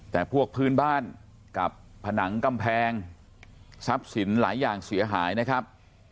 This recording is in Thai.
แต่พวกพื้นบ้านกับผนังกำแพงทรัพย์สินหลายอย่างเสียหายนะครับ